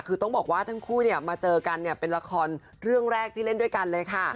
คือต้องบอกว่าทั้งคู่เนี่ยมาเจอกันเนี่ยเป็นละครเรื่องแรกที่เล่นด้วยกันเลยค่ะ